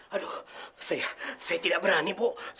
aduh saya tidak berani bu